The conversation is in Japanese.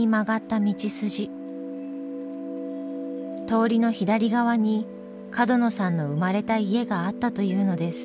通りの左側に角野さんの生まれた家があったというのです。